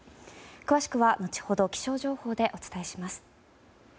詳しくは後ほど気象情報でお伝えします。